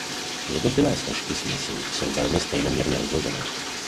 Jednotlivé složky směsi jsou velmi stejnoměrně rozložené.